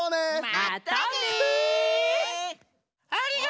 またね。